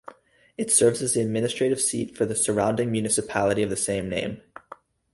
It serves as the administrative seat for the surrounding municipality of the same name.